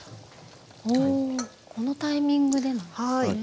このタイミングでなんですね。